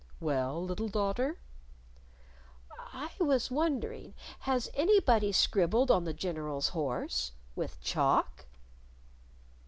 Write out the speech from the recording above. "Well, little daughter?" "I was wondering has anybody scribbled on the General's horse? with chalk?"